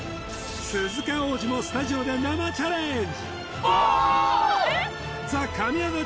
鈴鹿央士もスタジオで生チャレンジ